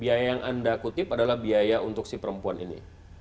biaya yang anda kutip adalah biaya untuk si perempuan ini